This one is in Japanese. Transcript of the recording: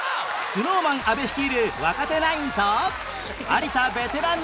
ＳｎｏｗＭａｎ 阿部率いる若手ナインと有田ベテランナインが